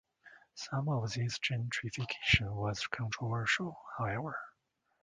Some of this gentrification was controversial, however.